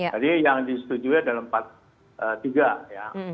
tadi yang disetujui adalah empat tiga ya